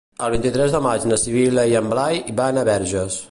El vint-i-tres de maig na Sibil·la i en Blai van a Verges.